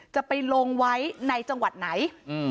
จะไปลงไว้ในจังหวัดไหน